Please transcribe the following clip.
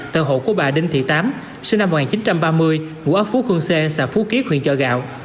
tờ hộ của bà đinh thị tám sinh năm một nghìn chín trăm ba mươi ngũ ốc phú khương xê xã phú kiếp huyện trà gạo